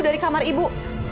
dari kamar ibu